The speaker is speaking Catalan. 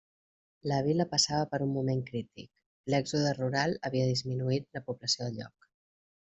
La vila passava per un moment crític, l'èxode rural havia disminuït la població del lloc.